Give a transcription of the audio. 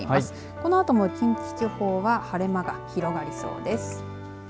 このあとも近畿地方は晴れ間が広がりそうです。